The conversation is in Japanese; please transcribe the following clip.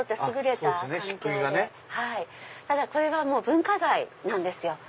ただこれは文化財なんですよ。